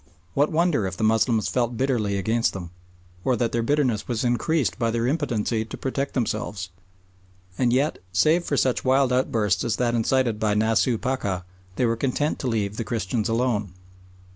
What wonder if the Moslems felt bitterly against them, or that their bitterness was increased by their impotency to protect themselves. And yet, save for such wild outbursts as that incited by Nasooh Pacha, they were content to leave the Christians alone.